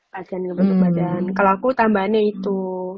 pasien ngebentuk badan kalau aku tambahannya itu